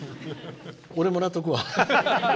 俺、もらっとくわ。